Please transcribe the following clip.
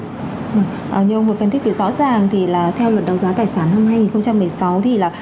nhưng ông có phân tích cái rõ ràng thì là theo luật đấu giá tài sản năm hai nghìn một mươi sáu thì là